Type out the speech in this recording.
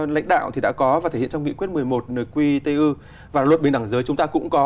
lãnh đạo thì đã có và thể hiện trong nghị quyết một mươi một nqtu và luật bình đẳng giới chúng ta cũng có